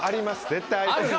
絶対。